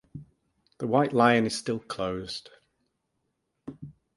The White Lion is still closed.